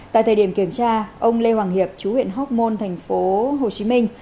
tại thời điểm kiểm tra ông lê hoàng hiệp chú huyện hoc mon thành phố hồ chí minh